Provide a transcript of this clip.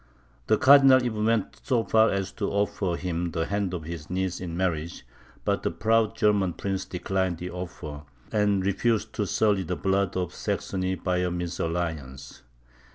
The cardinal even went so far as to offer him the hand of his niece in marriage; but the proud German prince declined the offer, and refused to sully the blood of Saxony by a misalliance.